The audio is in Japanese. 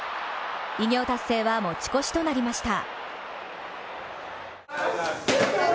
偉業達成は持ち越しとなりました。